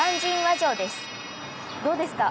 どうですか？